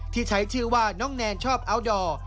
ที่ใช้ชื่อว่าน้องแนนชอบอัลดอร์